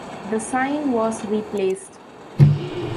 The sign was replaced.